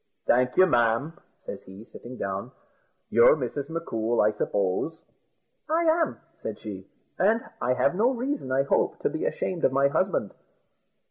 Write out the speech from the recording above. "Thank you, ma'am," says he, sitting down; "you're Mrs. M'Coul, I suppose?" "I am," said she; "and I have no reason, I hope, to be ashamed of my husband."